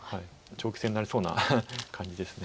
長期戦になりそうな感じです。